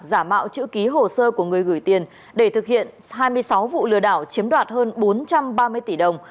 giả mạo chữ ký hồ sơ của người gửi tiền để thực hiện hai mươi sáu vụ lừa đảo chiếm đoạt hơn bốn trăm ba mươi tỷ đồng